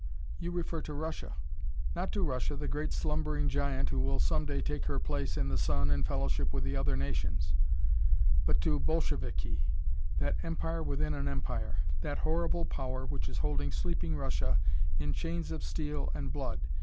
"You refer to Russia." "Not to Russia, the great slumbering giant who will some day take her place in the sun in fellowship with the other nations, but to Bolsheviki, that empire within an empire, that horrible power which is holding sleeping Russia in chains of steel and blood.